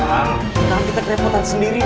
tahan kita kerepotan sendiri nina